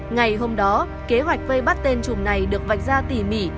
ngày hôm đó kế hoạch vây bắt tên chùm này được vạch ra tỉ mỉ